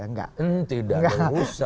tidak ada urusan